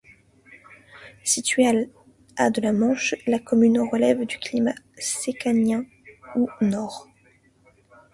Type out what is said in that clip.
Située à de la Manche, la commune relève du climat séquanien ou nord.